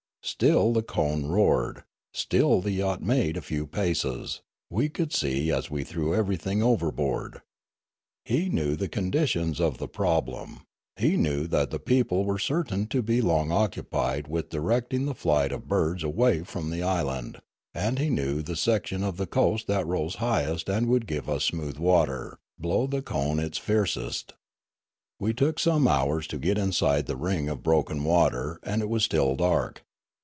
Still the cone roared ; still the yacht made a few paces, we could see as we threw anything over board. He knew the conditions of the problem ; he Noola 419 knew that the people were certain to be long occupied with directing the flight of birds away from the island ; and he knew the section of the coast that rose highest and would give us smooth water, blow the cone its fiercest. We took some hours to get inside the ring of broken water ; and it was still dark.